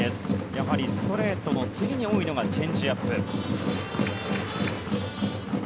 やはりストレートの次に多いのがチェンジアップ。